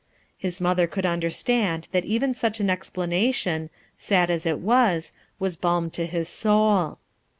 His mother could un derstand that even such an explanation, sad as it was, was balm to his soul.